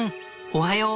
おはよう。